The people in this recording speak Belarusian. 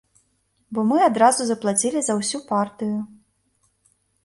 Бо мы адразу заплацілі за ўсю партыю.